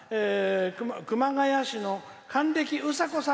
熊谷市の還暦うさこさん